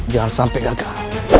jangan sampai gagal